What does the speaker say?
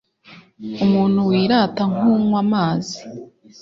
umuntu wirata nk'unywa amazi